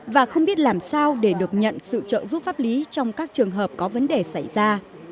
và không biết làm sao để được nhận sự trợ giúp pháp lý trong các trường hợp có vấn đề xảy ra